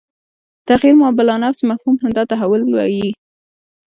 تغیر ما بالانفس مفهوم همدا تحول وي